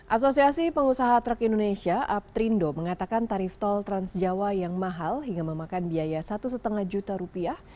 asosiasi pengusaha truk indonesia aptrindo mengatakan tarif tol transjawa yang mahal hingga memakan biaya satu lima juta rupiah